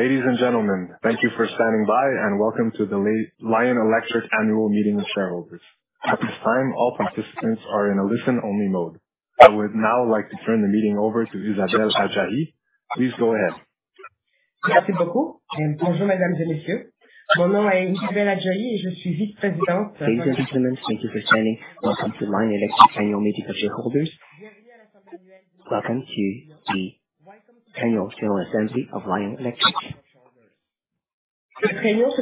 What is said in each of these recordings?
Ladies and gentlemen, thank you for standing by and welcome to the Lion Electric Annual Meeting of Shareholders. At this time, all participants are in a listen-only mode. I would now like to turn the meeting over to Isabelle Adjahi. Please go ahead. Ladies and gentlemen, thank you for standing. Welcome to Lion Electric Annual Meeting of Shareholders. Welcome to the annual general assembly of Lion Electric. This meeting will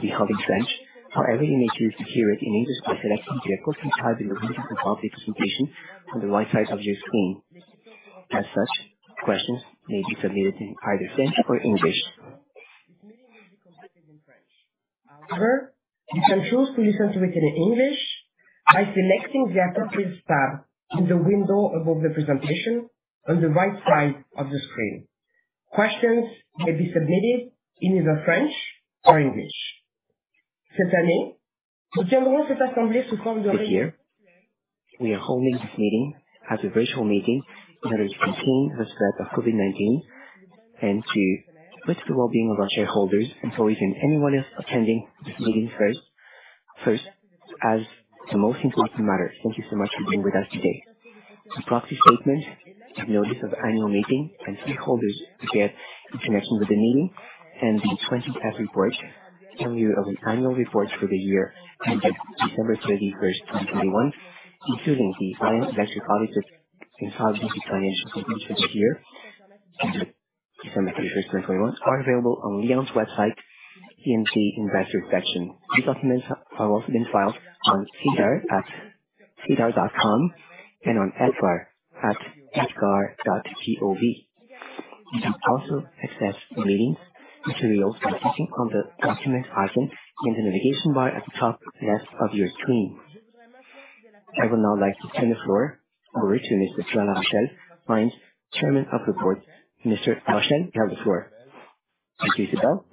be held in French. However, you may choose to hear it in English by selecting the appropriate tab in the window above the presentation on the right side of your screen. As such, questions may be submitted in either French or English. This meeting will be conducted in French. However, you can choose to listen to it in English by selecting the appropriate tab in the window above the presentation on the right side of the screen. Questions may be submitted in either French or English. This year we are holding this meeting as a virtual meeting in order to contain the spread of COVID-19 and to put the well-being of our shareholders and colleagues and anyone else attending this meeting first and foremost as the most important matter. Thank you so much for being with us today. The proxy statement, the notice of annual meeting, and other documents in connection with the meeting, and the Form 20-F, the annual report for the year ended December 31, 2021, including Lion Electric's audited and consolidated financial statements for the year ended December 31, 2021, are available on Lion's website in the Investor section. These documents have also been filed on SEDAR at sedar.com and on EDGAR at sec.gov. You can also access the meeting materials by clicking on the Document icon in the navigation bar at the top left of your screen. I would now like to turn the floor over to Mr. Pierre Larochelle, Lion's Chairman of the Board. Mr. Larochelle, you have the floor. Thank you, Isabelle.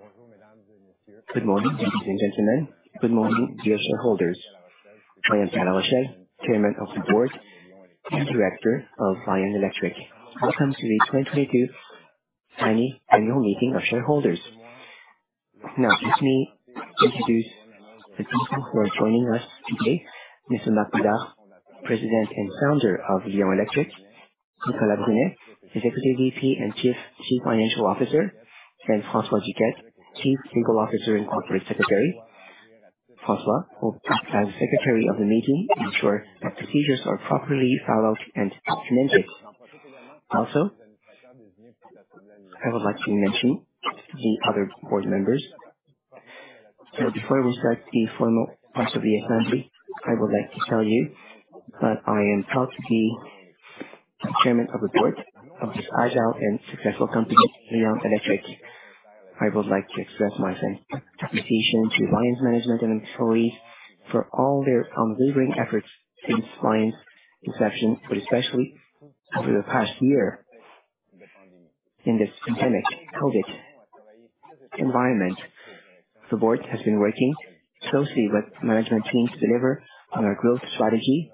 Good morning, ladies and gentlemen. Good morning, dear shareholders. I am Pierre Larochelle, Chairman of the Board and Director of Lion Electric. Welcome to the 2022 annual meeting of shareholders. Now let me introduce the people who are joining us today. Mr. Marc Bédard, President and Founder of Lion Electric. Nicolas Brunet, Executive VP and Chief Financial Officer, and François Duquette, Chief Legal Officer and Corporate Secretary. François will act as Secretary of the meeting to ensure that procedures are properly followed and implemented. Also, I would like to mention the other board members. Before I will start the formal parts of the assembly, I would like to tell you that I am proud to be Chairman of the Board of this agile and successful company, Lion Electric. I would like to express my thanks, appreciation to Lion's management and employees for all their unwavering efforts since Lion's inception, but especially over the past year in this COVID pandemic environment. The board has been working closely with management teams to deliver on our growth strategy.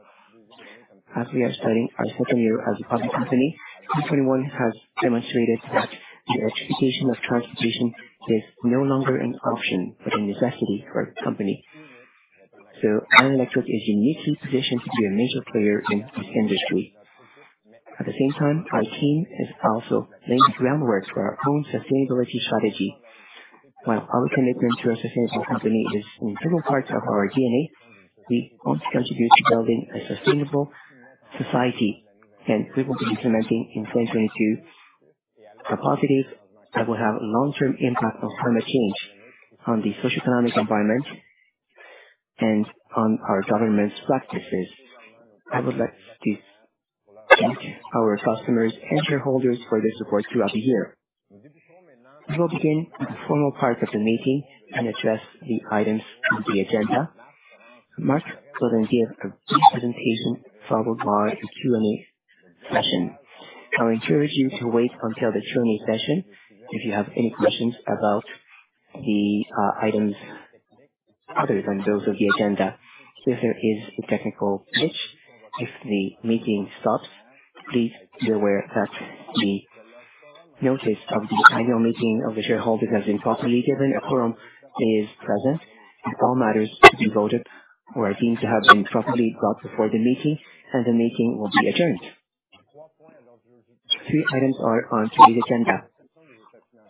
As we are starting our second year as a public company, 2021 has demonstrated that the electrification of transportation is no longer an option but a necessity for our company. Lion Electric is uniquely positioned to be a major player in this industry. At the same time, our team has also laid the groundwork for our own sustainability strategy. While our commitment to a sustainable company is in several parts of our DNA, we want to contribute to building a sustainable society, and we will be implementing in 2022 a policy that will have long-term impact on climate change, on the socioeconomic environment, and on our governance practices. I would like to thank our customers and shareholders for their support throughout the year. We will begin the formal part of the meeting and address the items on the agenda. Marc will then give a brief presentation, followed by the Q&A session. I would encourage you to wait until the Q&A session if you have any questions about the items other than those of the agenda. If there is a technical glitch, if the meeting stops, please be aware that the notice of the annual meeting of the shareholders has been properly given. A quorum is present and all matters to be voted on are deemed to have been properly brought before the meeting and the meeting will be adjourned. 3 items are on today's agenda.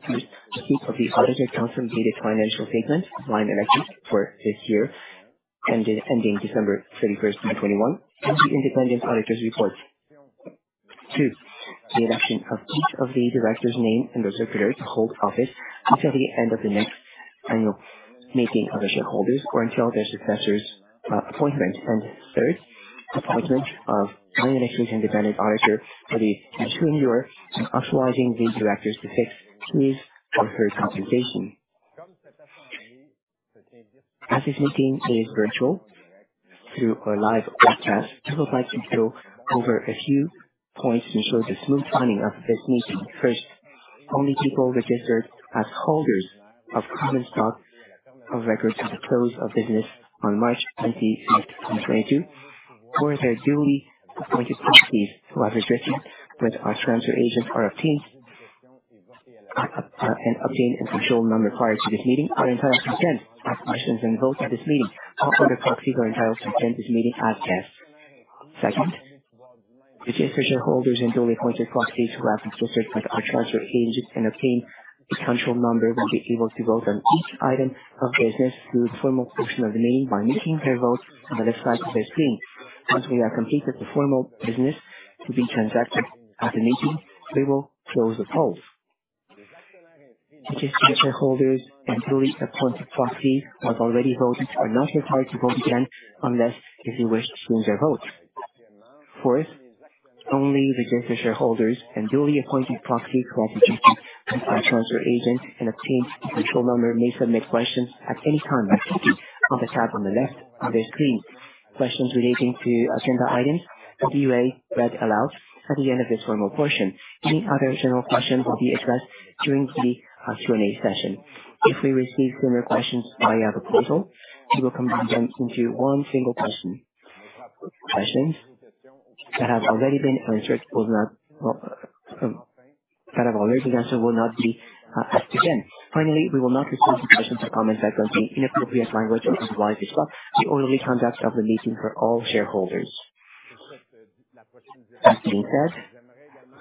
First, approval of the audited consolidated financial statements of Lion Electric for the year ended December 31, 2021, and the independent auditor's report. 2, the election of the directors named and those of others to hold office until the end of the next annual meeting of the shareholders or until their successors' appointment. Third, appointment of Lion Electric's independent auditor for the next 2 years and authorizing the directors to fix his or her compensation. As this meeting is virtual through a live webcast, I would like to go over a few points to ensure the smooth running of this meeting. First, only people registered as holders of common stock of record at the close of business on March 25th, 2022, or their duly appointed proxies who have registered with our transfer agent, TSX Trust, and obtained a control number prior to this meeting are entitled to attend, ask questions, and vote at this meeting. All other proxies are entitled to attend this meeting as guests. Second, registered shareholders and duly appointed proxies who have registered with our transfer agent and obtained a control number will be able to vote on each item of business through the formal portion of the meeting by making their vote on the left side of their screen. Once we have completed the formal business to be transacted at the meeting, we will close the polls. Registered shareholders and duly appointed proxies who have already voted are not required to vote again unless if they wish to change their vote. Fourth, only registered shareholders and duly appointed proxies who have registered with our transfer agent and obtained a control number may submit questions at any time by clicking on the tab on the left of their screen. Questions relating to agenda items will be read aloud at the end of this formal portion. Any other general questions will be addressed during the Q&A session. If we receive similar questions via the portal, we will combine them into one single question. Questions that have already been answered will not be asked again. Finally, we will not respond to questions or comments that contain inappropriate language or otherwise disrupt the orderly conduct of the meeting for all shareholders. That being said,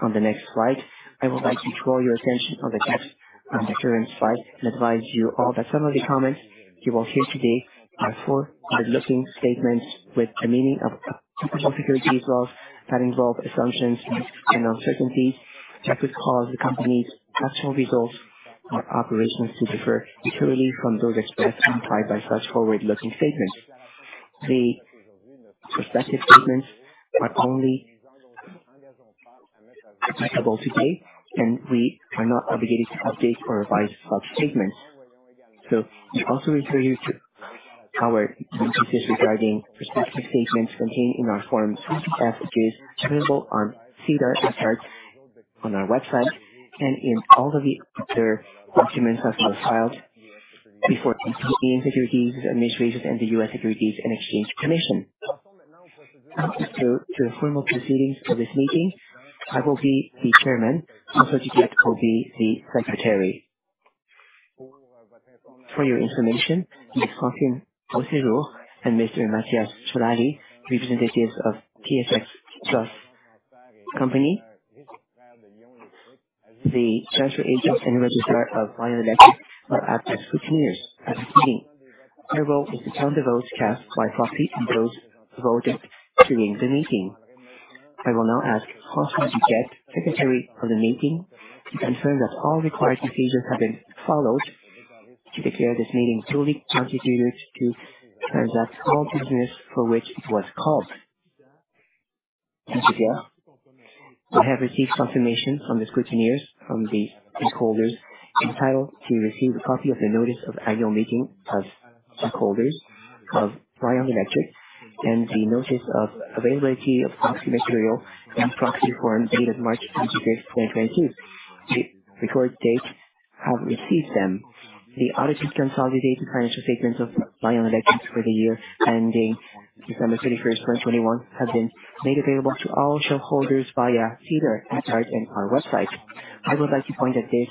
on the next slide, I would like to draw your attention on the text on the current slide and advise you all that some of the comments you will hear today are forward-looking statements with the meaning of securities laws that involve assumptions and uncertainties that could cause the company's actual results or operations to differ materially from those expressed and by such forward-looking statements. The prospective statements are only applicable today, and we are not obligated to update or revise such statements. We also refer you to our discussions regarding prospective statements contained in our Form 20-F, which is available on SEDAR filings on our website and in all of the other documents as well filed before the Canadian Securities Administrators and the US Securities and Exchange Commission. Now to the formal proceedings for this meeting, I will be the chairman and Monsieur Duquette will be the secretary. For your information, Miss Catherine Osero and Mr. Matthias Folari, representatives of Posi-Plus Company, the transfer agents and registrar of Lion Electric, will act as scrutineers at this meeting. Their role is to count the votes cast by proxy and those voted during the meeting. I will now ask François Duquette, secretary of the meeting, to confirm that all required procedures have been followed to declare this meeting fully constituted to transact all business for which it was called. Monsieur Duquette? I have received confirmation from the scrutineers, from the stockholders entitled to receive a copy of the Notice of Annual Meeting of Stockholders of Lion Electric and the Notice of Availability of Proxy Material and Proxy Form dated March 25, 2022. Shareholders of record have received them. The audited consolidated financial statements of Lion Electric for the year ending December 31, 2021, have been made available to all shareholders via SEDAR filings and our website. I would like to point out that this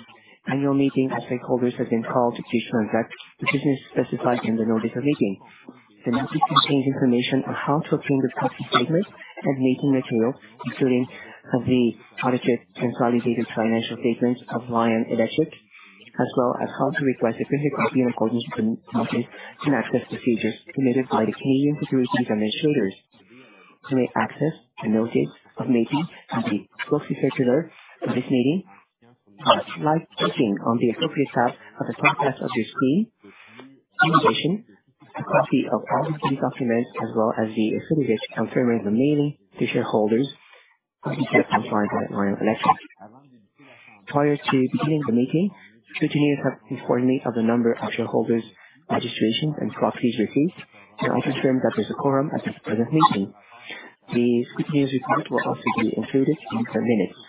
annual meeting of stakeholders has been called to transact the business specified in the notice of meeting. The notice contains information on how to obtain the proxy statement and meeting material, including the audited consolidated financial statements of Lion Electric, as well as how to request a printed copy in accordance with the notice and access procedures submitted by the Canadian Securities Administrators. To access the notice of meeting and the proxy circular for this meeting, clicking on the appropriate tab at the top left of your screen. In addition, a copy of all these three documents as well as the affidavit confirming the meeting to shareholders can be found online at Lion Electric. Prior to beginning the meeting, scrutineers have accounted for the number of shareholder registrations and proxies received to confirm that there's a quorum at this present meeting. The scrutineers report will also be included in the minutes.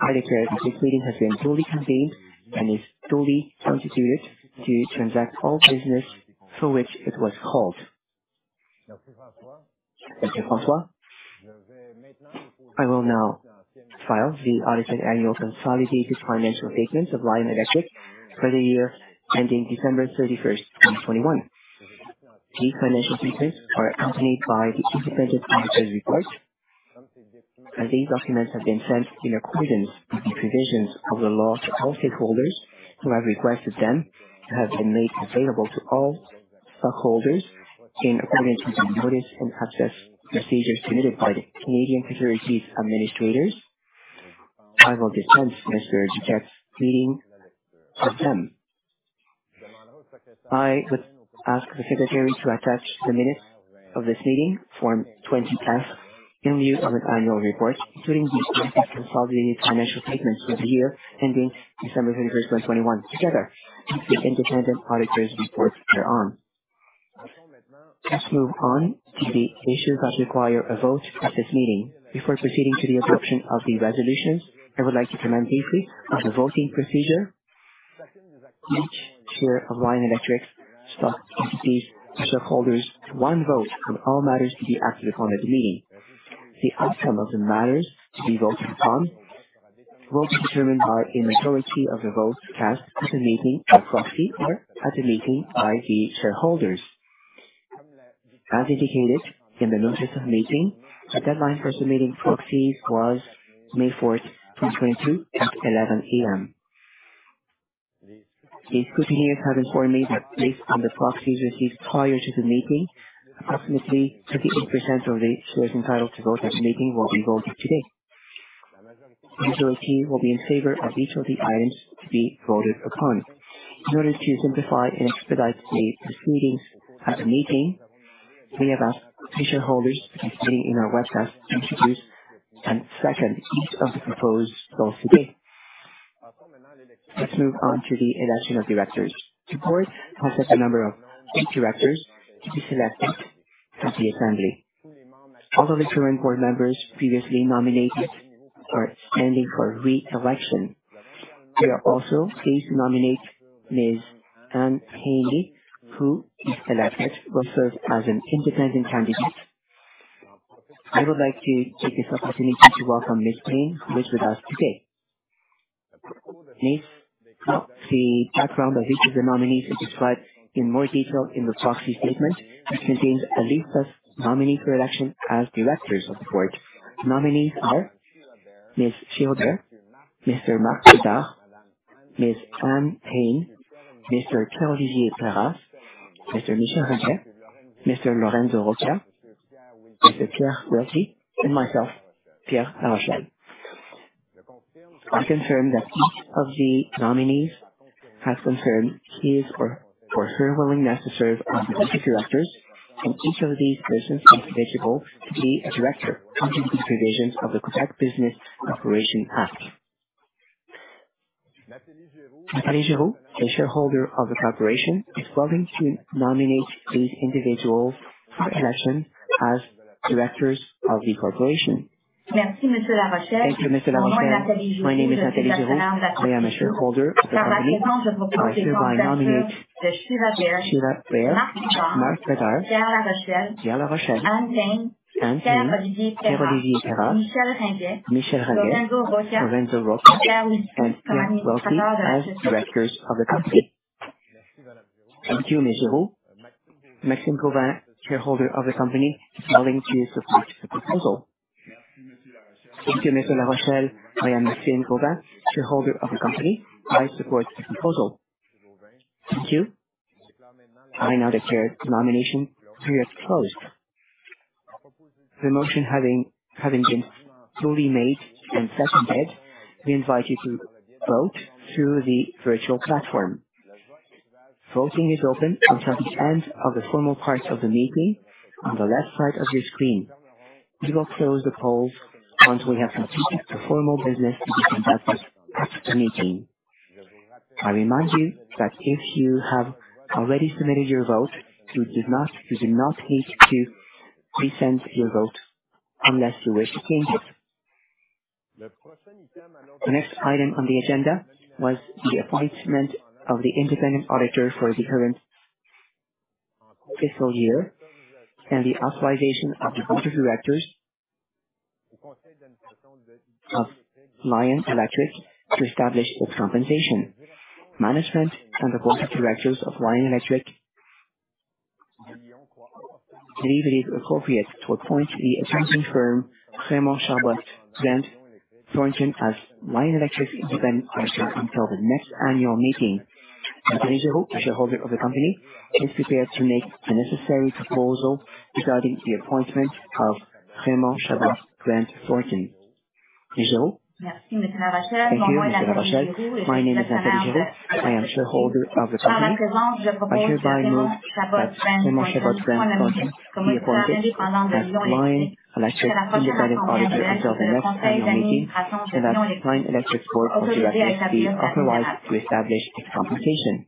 I declare that this meeting has been duly convened and is fully constituted to transact all business for which it was called. Thank you, François. I will now file the audited annual consolidated financial statements of Lion Electric for the year ending December 31, 2021. These financial statements are accompanied by the independent auditor's report, and these documents have been sent in accordance with the provisions of the law to all shareholders who have requested them and have been made available to all stockholders in accordance with the notice and access procedures submitted by the Canadian Securities Administrators. I will dispense Monsieur Duquette reading of them. I would ask the secretary to attach the minutes of this meeting, Form 20-F, in lieu of an annual report, including the consolidated financial statements for the year ending December 31, 2021, together with the independent auditor's report thereon. Let's move on to the issues that require a vote at this meeting. Before proceeding to the adoption of the resolutions, I would like to comment briefly on the voting procedure. Each share of Lion Electric stock gives shareholders one vote on all matters to be acted upon at the meeting. The outcome of the matters to be voted upon will be determined by a majority of the votes cast at the meeting by proxy or at the meeting by the shareholders. As indicated in the notice of meeting, the deadline for submitting proxies was May 4, 2022 at 11 A.M. The scrutineers have informed me that based on the proxies received prior to the meeting, approximately 38% of the shares entitled to vote at the meeting will be voted today. A majority will be in favor of each of the items to be voted upon. In order to simplify and expedite the proceedings at the meeting, we have asked shareholders participating in our webcast to introduce and second each of the proposed votes today. Let's move on to the election of directors. The board has set the number of 8 directors to be selected at the assembly. All of the current board members previously nominated are standing for re-election. We are also pleased to nominate Ms. Ann L. Payne, who, if elected, will serve as an independent candidate. I would like to take this opportunity to welcome Ms. Payne, who is with us today. Please note the background of each of the nominees is described in more detail in the proxy statement, which contains a list of nominees for election as directors of the board. The nominees are Ms. Sheila C. Bair, Mr. Marc Bédard, Ms. Ann L. Payne, Mr. Pierre-Olivier Perras, Mr. Michel Ringuet, Mr. Lorenzo Roccia, Mr. Pierre Wilkie and myself, Pierre Larochelle. I confirm that each of the nominees has confirmed his or her willingness to serve as a director, and each of these persons is eligible to be a director under the provisions of the Business Corporations Act (Quebec). Nathalie Giroux, a shareholder of the corporation, is willing to nominate these individuals for election as directors of the corporation. Thank you, Mr. Larochelle. My name is Nathalie Giroux. I am a shareholder of the company. I hereby nominate Sheila Bair, Marc Bédard, Pierre Larochelle, Ann L. Payne, Pierre-Olivier Perras, Michel Ringuet, Lorenzo Roccia, and Pierre Wilkie as directors of the company. Thank you, Ms. Giroux. Maxime Gauvin, shareholder of the company, is willing to support the proposal. Thank you, Mr. Larochelle. I am Maxime Gauvin, shareholder of the company. I support the proposal. Thank you. I now declare the nomination period closed. The motion having been fully made and seconded, we invite you to vote through the virtual platform. Voting is open until the end of the formal parts of the meeting on the left side of your screen. We will close the poll once we have completed the formal business to be conducted at the meeting. I remind you that if you have already submitted your vote, you do not need to resend your vote unless you wish to change it. The next item on the agenda was the appointment of the independent auditor for the current fiscal year and the authorization of the board of directors of Lion Electric to establish its compensation. Management and the board of directors of Lion Electric believe it appropriate to appoint the accounting firm Raymond Chabot Grant Thornton as Lion Electric's independent auditor until the next annual meeting. Nathalie Giroux, a shareholder of the company, is prepared to make the necessary proposal regarding the appointment of Raymond Chabot Grant Thornton. Ms. Giroux? Thank you, Mr. Larochelle. My name is Nathalie Giroux. I am shareholder of the company. I hereby move that Raymond Chabot Grant Thornton be appointed as Lion Electric's independent auditor until the next annual meeting and that Lion Electric's board of directors be authorized to establish its compensation.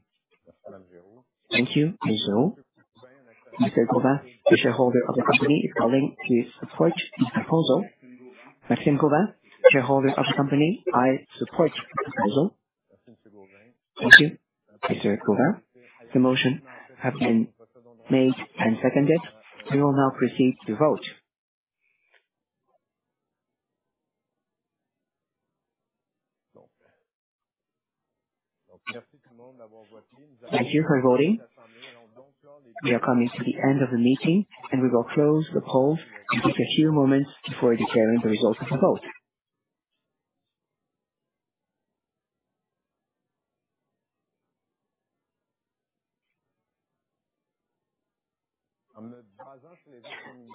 Thank you, Ms. Giroux. Maxime Gauvin, a shareholder of the company, is willing to support this proposal. Maxime Gauvin, shareholder of the company. I support the proposal. Thank you, Mr. Gauvin. The motion has been made and seconded. We will now proceed to vote. Thank you for voting. We are coming to the end of the meeting, and we will close the poll and take a few moments before declaring the results of the vote.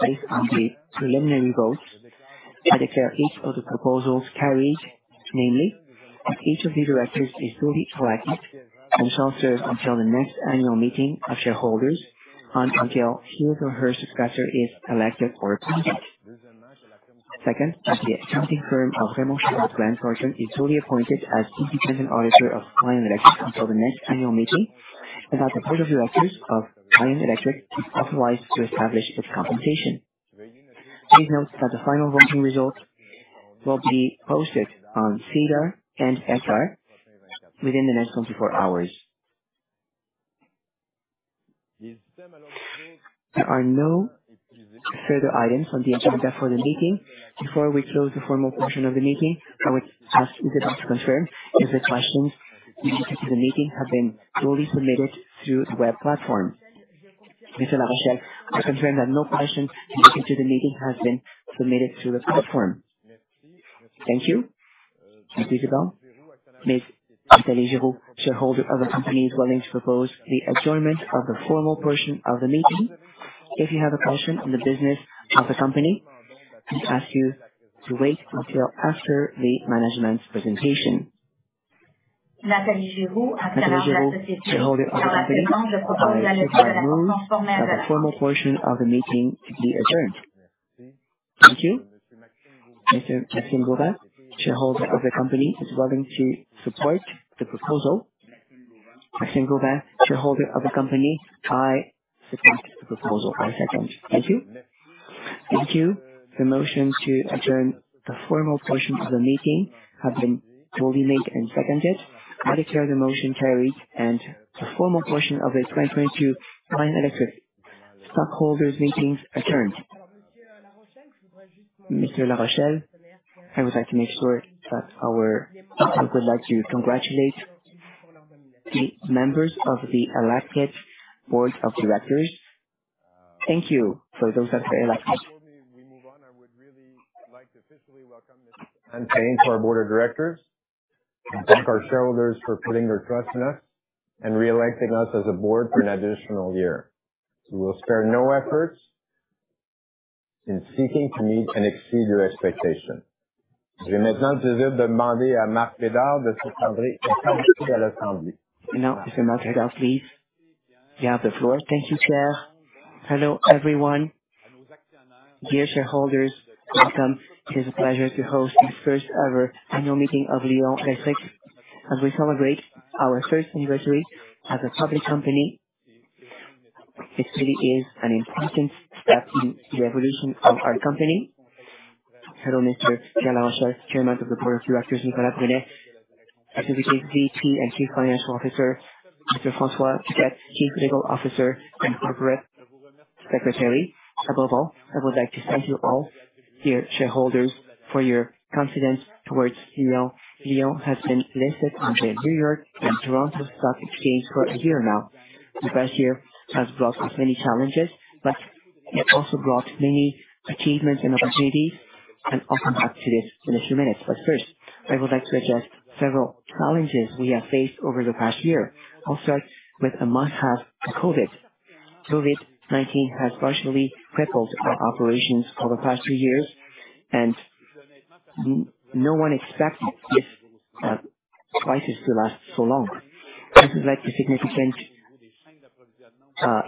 Based on the preliminary votes, I declare each of the proposals carried, namely, that each of the directors is duly elected and shall serve until the next annual meeting of shareholders or until his or her successor is elected or appointed. Second, that the accounting firm of Raymond Chabot Grant Thornton is solely appointed as independent auditor of Lion Electric until the next annual meeting, and that the board of directors of Lion Electric is authorized to establish its compensation. Please note that the final voting results will be posted on SEDAR and EDGAR within the next 24 hours. There are no further items on the agenda for the meeting. Before we close the formal portion of the meeting, I would ask Isabelle to confirm if the questions related to the meeting have been solely submitted through the web platform. Mr. Pierre Larochelle, I confirm that no question related to the meeting has been submitted through the platform. Thank you, Ms. Isabelle. Ms. Nathalie Giroux, shareholder of the company, is willing to propose the adjournment of the formal portion of the meeting. If you have a question on the business of the company, we ask you to wait until after the management's presentation. Nathalie Giroux, shareholder of the company, I propose that the formal portion of the meeting be adjourned. Thank you. Mr. Maxime Gauvin, shareholder of the company, is willing to support the proposal. Maxime Gauvin, shareholder of the company, I support the proposal. I second. Thank you. Thank you. The motion to adjourn the formal portion of the meeting has been duly made and seconded. I declare the motion carried, and the formal portion of the 2022 Lion Electric stockholders' meeting adjourned. Mr. Larochelle, I would like to congratulate the members of the elected board of directors. Thank you for those that were elected. Before we move on, I would really like to officially welcome and thank our board of directors and thank our shareholders for putting their trust in us and re-electing us as a board for an additional year. We will spare no efforts in seeking to meet and exceed your expectations. Now, Mr. Marc Bédard, please. You have the floor. Thank you, Chair. Hello, everyone. Dear shareholders, welcome. It is a pleasure to host the first-ever annual meeting of Lion Electric as we celebrate our first anniversary as a public company. This really is an important step in the evolution of our company. Hello, Mr. Pierre Larochelle, Chairman of the Board of Directors, Nicolas Brunet, Executive VP and Chief Financial Officer, Mr. François Duquette, Chief Legal Officer and Corporate Secretary. Above all, I would like to thank you all, dear shareholders, for your confidence towards Lion. Lion has been listed on the New York Stock Exchange and Toronto Stock Exchange for a year now. The past year has brought many challenges, but it also brought many achievements and opportunities, and I'll come back to this in a few minutes. First, I would like to address several challenges we have faced over the past year. I'll start with the must-have, the COVID. COVID-19 has virtually crippled our operations for the past two years, and no one expected this crisis to last so long. This has led to significant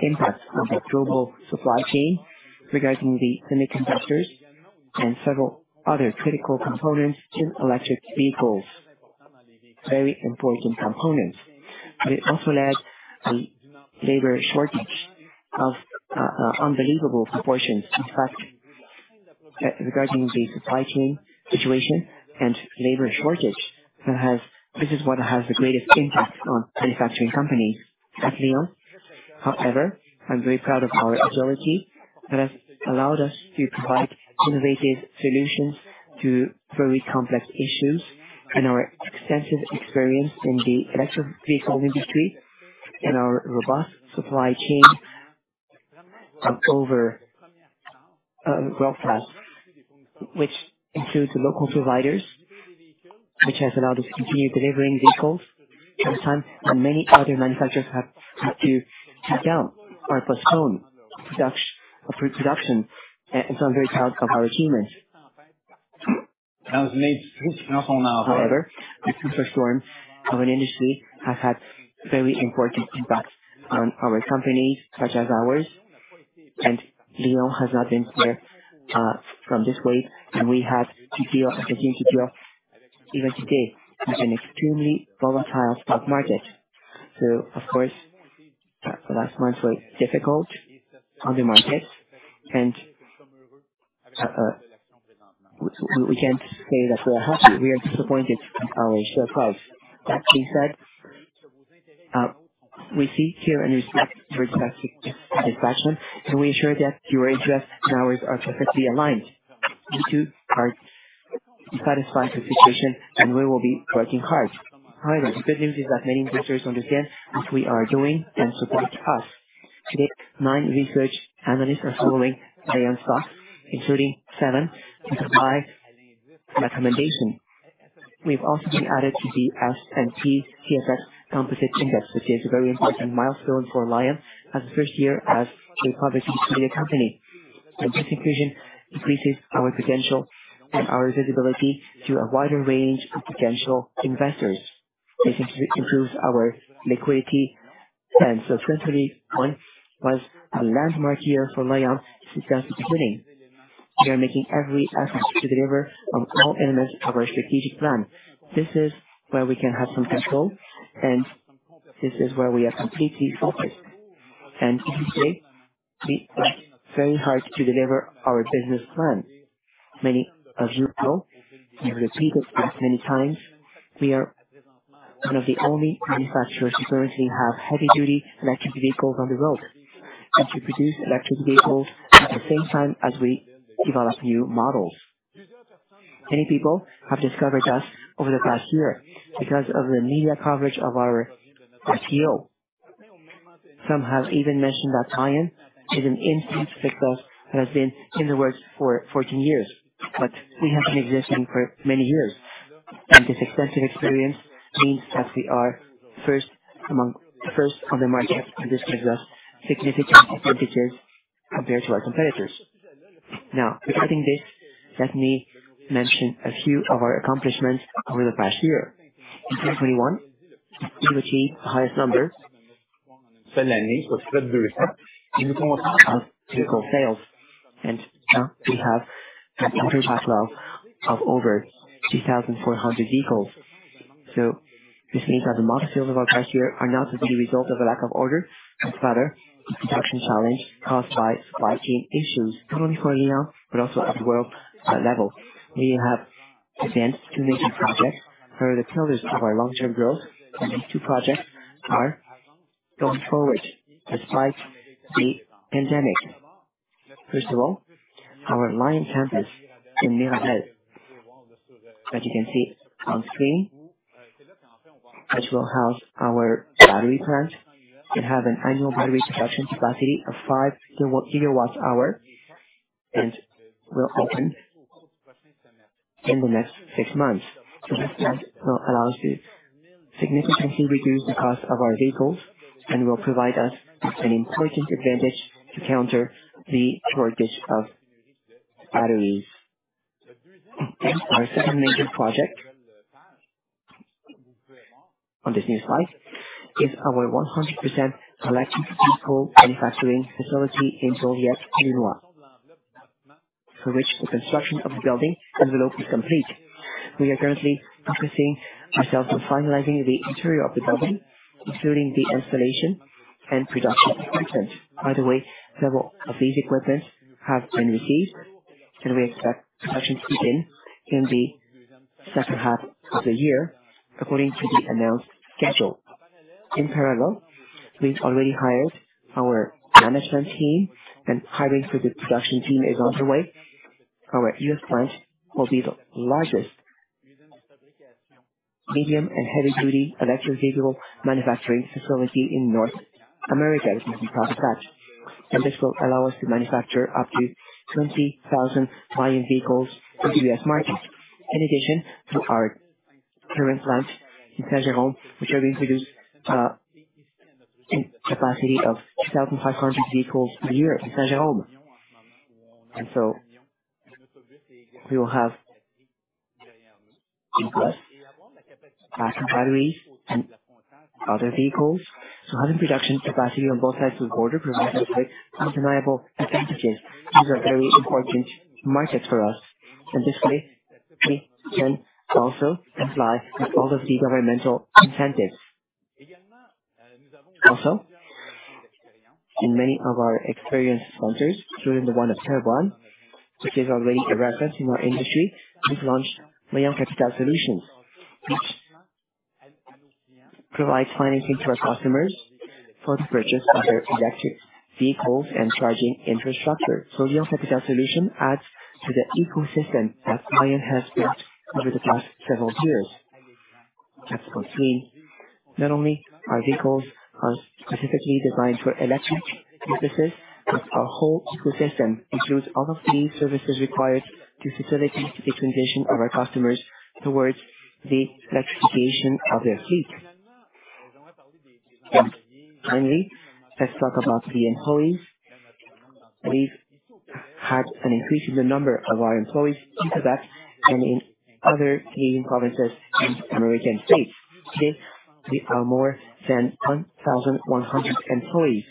impact on the global supply chain regarding the semiconductors and several other critical components to electric vehicles. Very important components. It also led to labor shortage of unbelievable proportions. In fact, regarding the supply chain situation and labor shortage, this is what has the greatest impact on manufacturing companies like Lion. However, I'm very proud of our agility that has allowed us to provide innovative solutions to very complex issues and our extensive experience in the electric vehicle industry and our robust supply chain of over 200 suppliers, which includes local providers, which has allowed us to continue delivering vehicles at a time when many other manufacturers have had to shut down or postpone production. I'm very proud of our achievements. However, the superstorm in the industry has had very important impacts on companies such as ours, and Lion has not been spared from this wave, and we had to deal and continue to deal even today with an extremely volatile stock market. Of course, the last months were difficult on the market and we can't say that we are happy. We are disappointed with our share price. That being said, we seek your understanding and discretion, and we assure that your interests and ours are perfectly aligned. We, too, are dissatisfied with the situation and we will be working hard. However, the good news is that many investors understand what we are doing and support us. Today, nine research analysts are following Lion stock, including seven with a buy recommendation. We've also been added to the S&P/TSX Composite Index, which is a very important milestone for Lion as the first year as a publicly traded company. This inclusion increases our potential and our visibility to a wider range of potential investors. This improves our liquidity. 2023 was a landmark year for Lion since that's including we are making every effort to deliver on all elements of our strategic plan. This is where we can have some control, and this is where we are completely focused. To this day, we work very hard to deliver our business plan. Many of you know, we've repeated this many times, we are one of the only manufacturers who currently have heavy-duty electric vehicles on the road, and we produce electric vehicles at the same time as we develop new models. Many people have discovered us over the past year because of the media coverage of our IPO. Some have even mentioned that Lion is an instant success that has been in the works for 14 years, but we have been existing for many years. This extensive experience means that we are first on the market, and this gives us significant advantages compared to our competitors. Now, regarding this, let me mention a few of our accomplishments over the past year. In 2021, we achieved the highest numbers in the form of vehicle sales, and now we have an order backlog of over 2,400 vehicles. This means that the model sales of our past year are not really the result of a lack of order, but rather a production challenge caused by supply chain issues, not only for Lion, but also at the world level. We have advanced two major projects that are the pillars of our long-term growth, and these two projects are going forward despite the pandemic. First of all, our Lion campus in Mirabel, as you can see on screen, which will house our battery plant. It has an annual battery production capacity of 5 GWh and will open in the next 6 months. This plant will allow us to significantly reduce the cost of our vehicles and will provide us an important advantage to counter the shortage of batteries. Our second major project, on this new slide, is our 100% electric vehicle manufacturing facility in Beauharnois, for which the construction of the building envelope is complete. We are currently focusing ourselves on finalizing the interior of the building, including the installation and production equipment. By the way, several of these equipment have been received, and we expect production to begin in the second half of the year according to the announced schedule. In parallel, we've already hired our management team, and hiring for the production team is underway. Our U.S. plant will be the largest medium and heavy-duty electric vehicle manufacturing facility in North America. This is a proud fact, and this will allow us to manufacture up to 20,000 Lion vehicles for the U.S. market. In addition to our current plant in Saint-Jérôme, which will have a capacity of 2,500 vehicles a year in Saint-Jérôme. We will have increased our batteries and other vehicles. Having production capacity on both sides of the border provides us with undeniable advantages. These are very important markets for us. This way we can also apply for all of the governmental incentives. Also, in many of our experienced partners, including the one of Thermo King, which is already a reference in our industry. We've launched Lion Capital Solutions, which provides financing to our customers for the purchase of their electric vehicles and charging infrastructure. Lion Capital Solutions adds to the ecosystem that Lion has built over the past several years. As you can see, not only our vehicles are specifically designed for electric purposes, but our whole ecosystem includes all of the services required to facilitate the transition of our customers towards the electrification of their fleet. Finally, let's talk about the employees. We've had an increase in the number of our employees in Quebec and in other Canadian provinces and American states. Today we are more than 1,100 employees,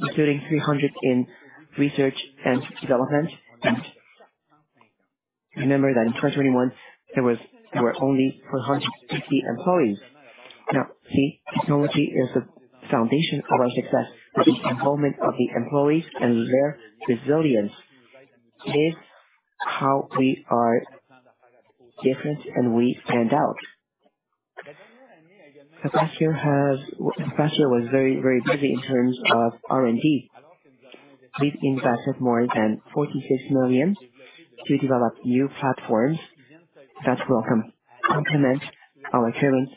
including 300 in research and development. Remember that in 2021 there were only 450 employees. Now, the technology is the foundation of our success, but the involvement of the employees and their resilience is how we are different and we stand out. The past year was very, very busy in terms of R&D. We've invested more than 46 million to develop new platforms that will come complement our current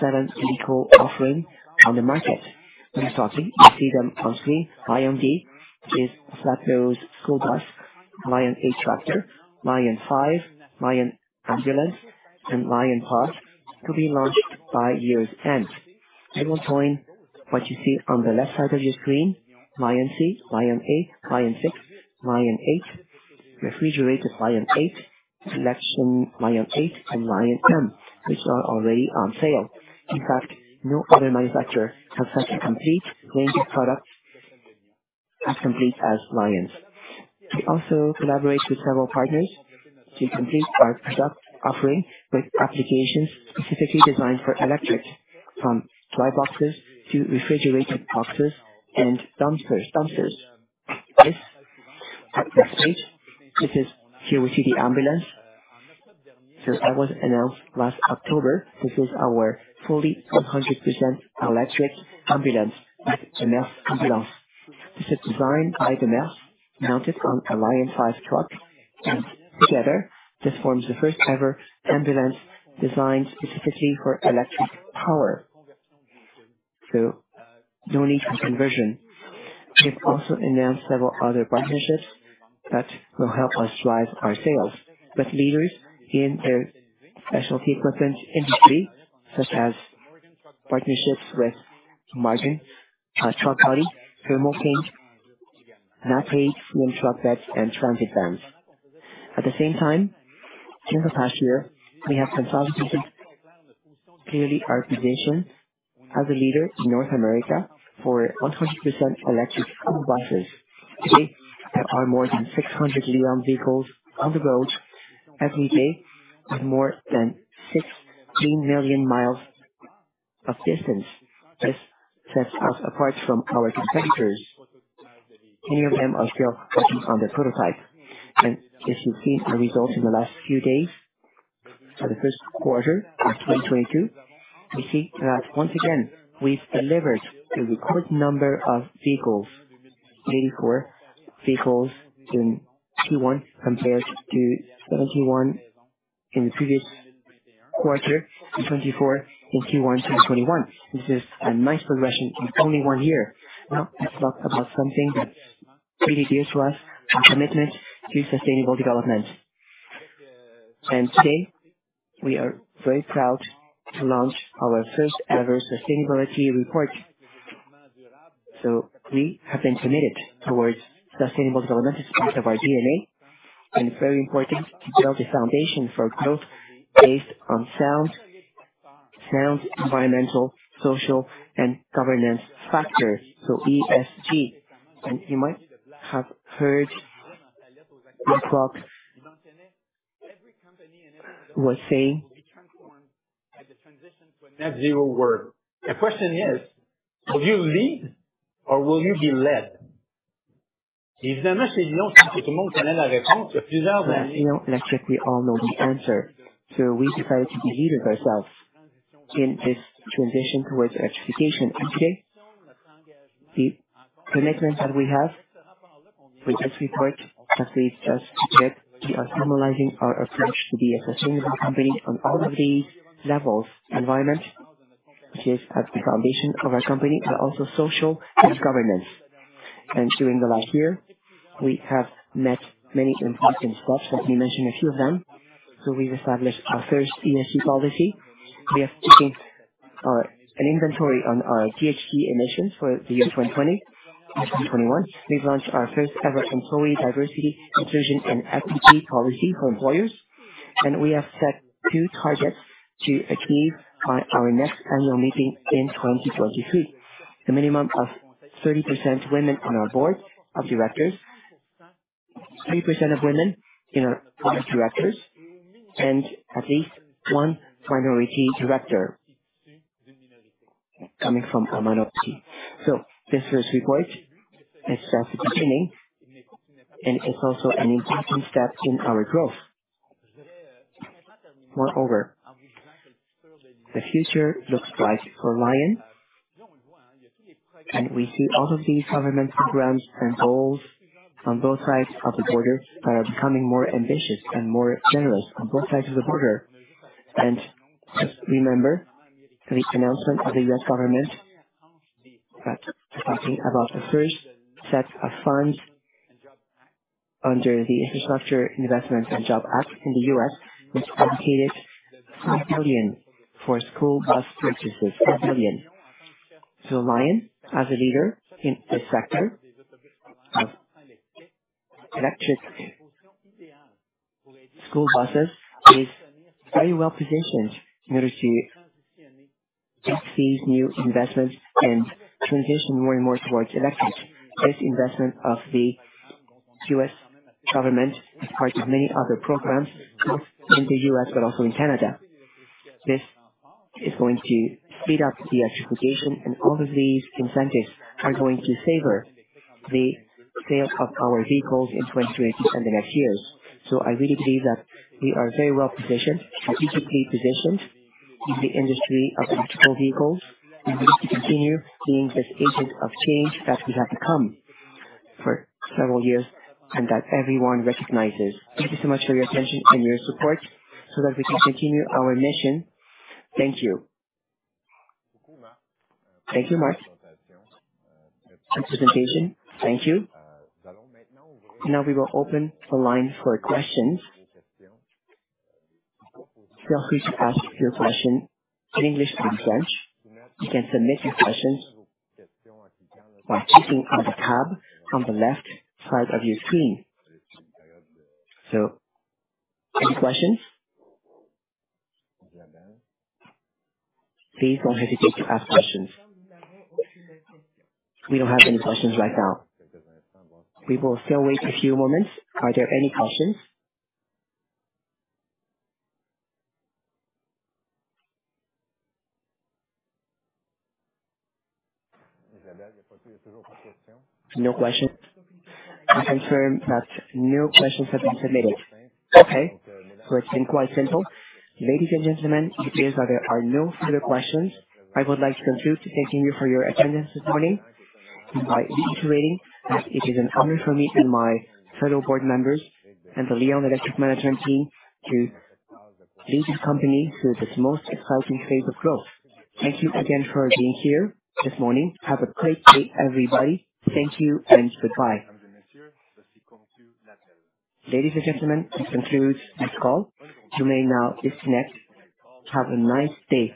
7 vehicle offering on the market. Starting, you see them on screen. LionD is a flat nose school bus. Lion8 Tractor, Lion5, Lion Ambulance, and Lion Parts to be launched by year's end. They will join what you see on the left side of your screen LionC, LionA, Lion6, Lion8, Refrigerated Lion8, the Lion8 Tractor and LionM, which are already on sale. In fact, no other manufacturer has such a complete range of products as complete as Lion's. We also collaborate with several partners to complete our product offering with applications specifically designed for electric, from dry boxes to refrigerated boxes and dumpsters. At this stage, here we see the ambulance. That was announced last October. This is our fully 100% electric ambulance with Demers Ambulance. This is designed by Demers mounted on a Lion5 truck, and together this forms the first-ever ambulance designed specifically for electric power. No need for conversion. We've also announced several other partnerships that will help us drive our sales with leaders in the specialty equipment industry, such as partnerships with Morgan Truck Body, Thermo King, CM Truck Beds, and transit vans. At the same time, during the past year, we have consolidated clearly our position as a leader in North America for 100% electric school buses. Today there are more than 600 Lion vehicles on the road every day, with more than 16 million miles of distance. This sets us apart from our competitors. Many of them are still working on their prototype, and as you've seen the results in the last few days, for Q1 of 2022, we see that once again, we've delivered a record number of vehicles, 84 vehicles in Q1 compared to 71 in the previous quarter and 24 in Q1 2021. This is a nice progression in only one year. Now let's talk about something that's really dear to us, our commitment to sustainable development. Today we are very proud to launch our first-ever sustainability report. We have been committed towards sustainable development. It's part of our DNA, and it's very important to build a foundation for growth based on sound environmental, social, and governance factors, so ESG. You might have heard BlackRock was saying, "Every company will be transformed by the transition to a net zero world. The question is, will you lead or will you be led?" You know, like we all know the answer. We decided to be leaders ourselves in this transition towards electrification. Today, the commitment that we have with this report that we've just shared, we are formalizing our approach to be a sustainable company on all of these levels. Environment, which is at the foundation of our company, but also social and governance. During the last year, we have met many important milestones. Let me mention a few of them. We've established our first ESG policy. We have taken an inventory on our GHG emissions for the year 2020, 2021. We've launched our first-ever employee diversity, inclusion, and ESG policy for employees. We have set two targets to achieve by our next annual meeting in 2023. The minimum of 30% women on our board of directors, 3% of women in our directors, and at least one minority director coming from a minority. This first report is just the beginning, and it's also an important step in our growth. Moreover, the future looks bright for Lion, and we see all of these government programs and goals on both sides of the border are becoming more ambitious and more generous on both sides of the border. Just remember the announcement of the U.S. government that talking about the first set of funds under the Infrastructure Investment and Jobs Act in the U.S., which allocated $5 billion for school bus purchases. Lion, as a leader in this sector of electric school buses, is very well-positioned in order to take these new investments and transition more and more towards electric. This investment of the U.S. government is part of many other programs, both in the U.S. but also in Canada. This is going to speed up the electrification, and all of these incentives are going to favor the sales of our vehicles in 2023 and the next years. I really believe that we are very well-positioned and uniquely positioned in the industry of electric vehicles. We need to continue being this agent of change that we have become for several years and that everyone recognizes. Thank you so much for your attention and your support so that we can continue our mission. Thank you. Thank you, Marc. Good presentation. Thank you. Now we will open the line for questions. Feel free to ask your question in English or French. You can submit your questions by clicking on the tab on the left side of your screen. Any questions? Please don't hesitate to ask questions. We don't have any questions right now. We will still wait a few moments. Are there any questions? No questions. I confirm that no questions have been submitted. Okay. It's been quite simple. Ladies and gentlemen, it appears that there are no further questions. I would like to conclude by thanking you for your attendance this morning by reiterating that it is an honor for me and my fellow board members and the Lion Electric management team to lead this company through this most exciting phase of growth. Thank you again for being here this morning. Have a great day, everybody. Thank you and goodbye. Ladies and gentlemen, this concludes this call. You may now disconnect. Have a nice day.